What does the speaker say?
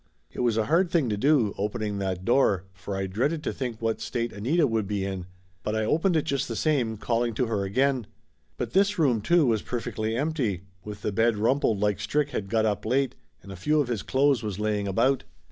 It was a hard thing to do, opening that door, for I dreaded to think what state Anita would be in, but I opened it just the same, calling to her again. But this room, too, was perfectly empty, with the bed rumpled like Strick had got up late and a few of his clothes was laying about.